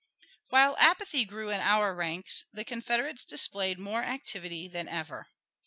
While apathy grew in our ranks, the Confederates displayed more activity than ever.